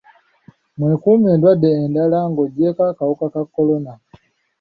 Mwekuume endwadde endala ng'oggyeko akawuka ka kolona.